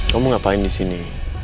kamu ngapain disini